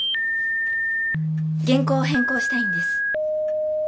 原稿を変更したいんです。